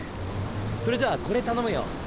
それじゃあこれ頼むよ。